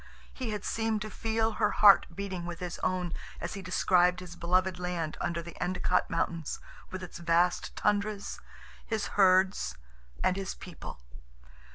He had seemed to feel her heart beating with his own as he described his beloved land under the Endicott Mountains, with its vast tundras, his herds, and his people.